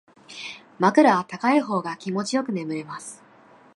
枕は高い方が気持ちよく眠れます